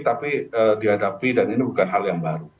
tapi dihadapi dan ini bukan hal yang baru